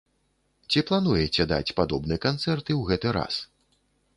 Ці плануеце даць падобны канцэрт і ў гэты раз?